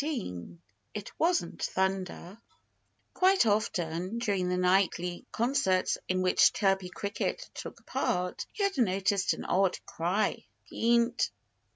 XIX IT WASN'T THUNDER Quite often, during the nightly concerts in which Chirpy Cricket took part, he had noticed an odd cry, _Peent!